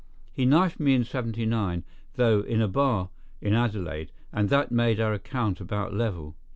He knifed me in '79, though, in a bar at Adelaide, and that made our account about level.